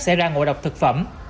sẽ ra ngộ độc thực phẩm